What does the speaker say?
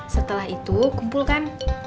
setelah itu kumpulkan